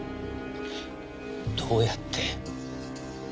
どうやって？